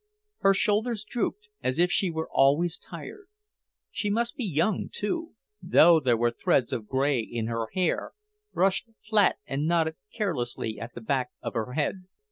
Her shoulders drooped, as if she were always tired. She must be young, too, though there were threads of grey in her hair, brushed flat and knotted carelessly at the back of her head.